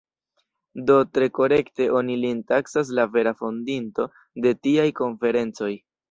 Do tre korekte oni lin taksas la vera fondinto de tiaj konferencoj.